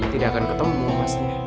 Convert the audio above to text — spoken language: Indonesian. tidak akan ketemu masnya